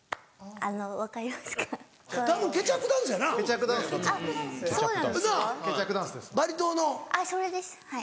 あっそれですはい。